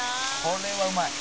「これはうまい」